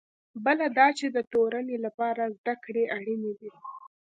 بله دا چې د تورنۍ لپاره زده کړې اړینې دي.